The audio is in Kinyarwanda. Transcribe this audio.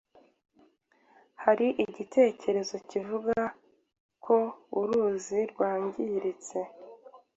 hari igitekerezo kivuga ko uruzi rwangiritse